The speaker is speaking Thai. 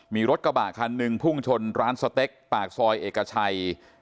มีรถกระบะคันหนึ่งพุ่งชนร้านสเต็กปากซอยเอกชัย